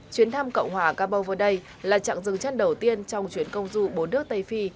chuyến thăm cộng hòa cabo verday là chặng dừng chân đầu tiên trong chuyến công du bốn nước tây phi